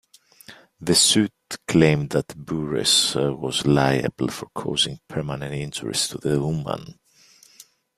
The suit claimed that Burress was liable for causing permanent injuries to the woman.